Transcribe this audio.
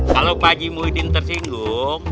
kalau pak haji muhyiddin tersinggung